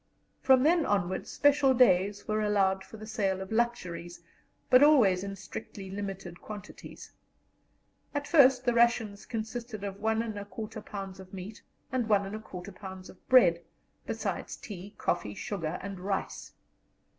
From then onward special days were allowed for the sale of luxuries, but always in strictly limited quantities. At first the rations consisted of 1 1/4 pounds of meat and 1 1/4 pounds of bread, besides tea, coffee, sugar, and rice.